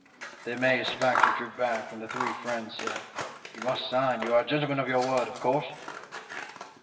"The amazed factor drew back, when the three friends said :"' You must sign ; you are a gentleman of your word, of course.'